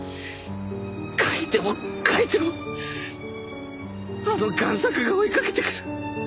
描いても描いてもあの贋作が追いかけてくる。